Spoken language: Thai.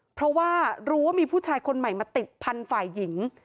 เพราะว่ารู้ว่ามีผู้ชายคนใหม่มาติดพันธุ์ฝ่ายหญิง